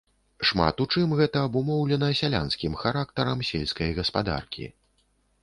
Шмат у чым гэта абумоўлена сялянскім характарам сельскай гаспадаркі.